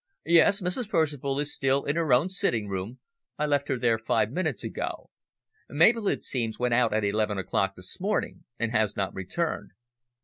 "Yes, Mrs. Percival is still in her own sitting room. I left her there five minutes ago. Mabel, it seems, went out at eleven o'clock this morning and has not returned."